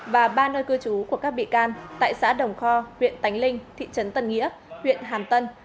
và ba nơi cư trú của các bị can tại xã đồng kho huyện tánh linh thị trấn tân nghĩa huyện hàm tân